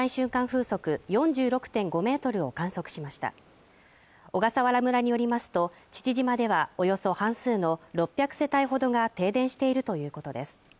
風速４６．５メートルを観測しました小笠原村によりますと父島ではおよそ半数の６００世帯ほどが停電しているということです